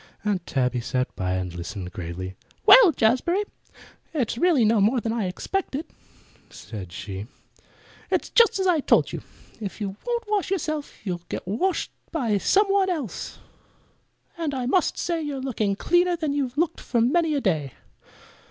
Aunt Tabby sat by and listened gravely. "Well, Jazbury, it's really no more than I expected," said she. "It's just as I told you. If you won't wash yourself you'll get washed by some one else. And I must say you're looking cleaner than you've looked for many a day."